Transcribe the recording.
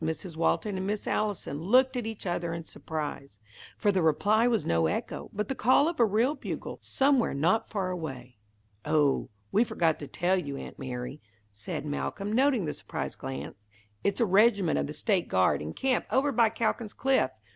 Mrs. Walton and Miss Allison looked at each other in surprise, for the reply was no echo, but the call of a real bugle, somewhere not far away. "Oh, we forgot to tell you, Aunt Mary," said Malcolm, noting the surprised glance, "It's a regiment of the State Guard, in camp over by Calkin's Cliff.